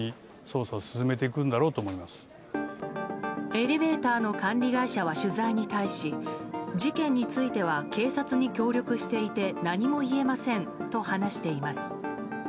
エレベーターの管理会社は取材に対し事件については警察に協力していて何も言えませんと話しています。